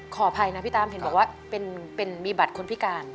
ขออภัยนะพี่ตามเห็นบอกว่าเป็นมีบัตรคนพิการ